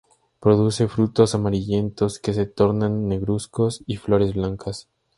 Produce frutos amarillentos que se tornan negruzcos y flores blancas.